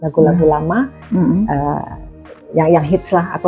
lagu lagu lama yang hits lah atau